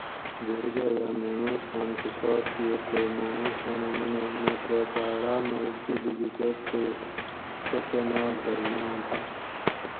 "جرگاۤ یاۤ محمود خاۤن کہ سوال کیر تے محمود خانہ منو ""مکہ باۤڑاۤ مئی دو لِکیٹیر تے ڛو کۤناۤل دھریناۤں داۤ"""